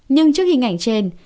nhưng trước hình ảnh trên